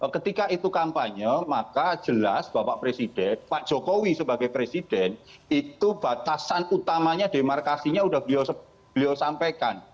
ketika itu kampanye maka jelas bapak presiden pak jokowi sebagai presiden itu batasan utamanya demarkasinya sudah beliau sampaikan